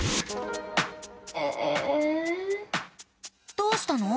どうしたの？